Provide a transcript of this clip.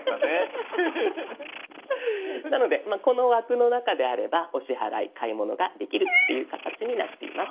なのでこの枠の中であればお支払い買い物ができるっていう形になっています。